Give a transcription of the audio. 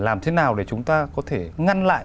làm thế nào để chúng ta có thể ngăn lại